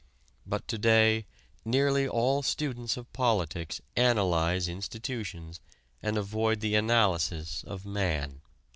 But to day "nearly all students of politics analyze institutions and avoid the analysis of man."